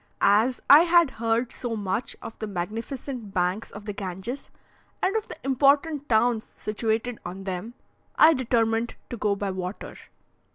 As I had heard so much of the magnificent banks of the Ganges, and of the important towns situated on them, I determined to go by water.